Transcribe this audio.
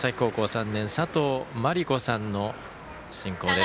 ３年佐藤毬子さんの進行です。